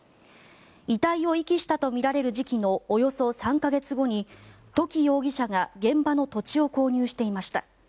遺体を遺棄したとみられる時期のおよそ３か月後に土岐容疑者が現場の土地を購入していました。